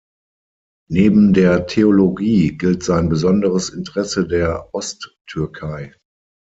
Neben der Theologie gilt sein besonderes Interesse der Osttürkei.